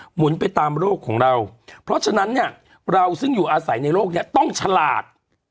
หมุนไปตามโลกของเราเพราะฉะนั้นเนี่ยเราซึ่งอยู่อาศัยในโลกนี้ต้องฉลาด